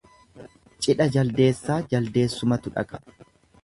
Cidha jaldeessaa jaldeessumatu dhaqa.